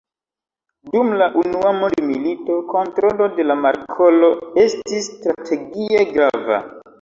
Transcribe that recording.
Dum la unua mondmilito, kontrolo de la markolo estis strategie grava.